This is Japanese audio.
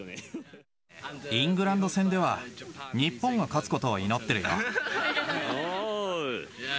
イングランド戦では、日本が勝つことを祈ってるよ。